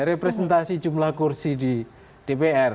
representasi jumlah kursi di dpr